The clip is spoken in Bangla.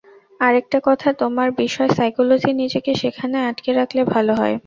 আরেকটা কথা-তোমার বিষয় সাইকোলজি, নিজেকে সেখানে আটকে রাখলে ভালো হয়।